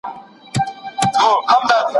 چين به هېڅکله دومره ژر پرمختګ نه وای کړی.